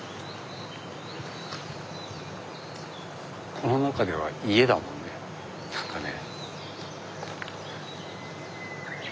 この中では家だもんね何かね。